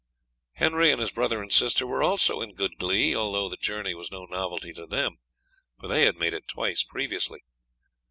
Henry and his brother and sister were also in good glee, although the journey was no novelty to them, for they had made it twice previously.